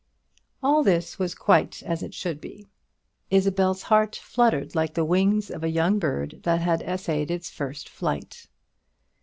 All this was quite as it should be. Isabel's heart fluttered like the wings of a young bird that essays its first flight.